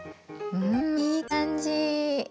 うんいい感じ。